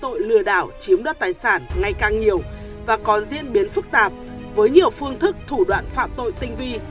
tình hình tội lừa đảo chiếm đoạt tài sản ngay càng nhiều và có diễn biến phức tạp với nhiều phương thức thủ đoạn phạm tội tinh vi